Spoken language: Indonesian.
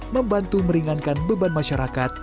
membantu meringankan beban masyarakat